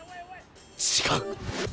違う！